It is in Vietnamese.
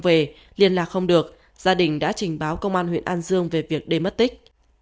về liên lạc không được gia đình đã trình báo công an huyện an dương về việc đêm mất tích